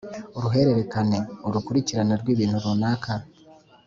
uruhererekane : urukurikirane rw’ibintu runaka.